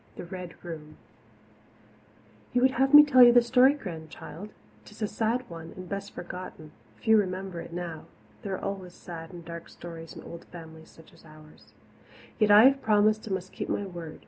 The Red Room You would have me tell you the story, Grandchild? 'Tis a sad one and best forgotten few remember it now. There are always sad and dark stories in old families such as ours. Yet I have promised and must keep my word.